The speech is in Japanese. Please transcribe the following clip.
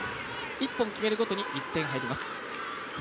１本決めるごとに１点与えられます。